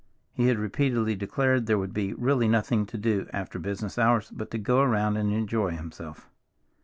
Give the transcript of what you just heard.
He had repeatedly declared there would be really nothing to do after business hours but to go around and enjoy himself.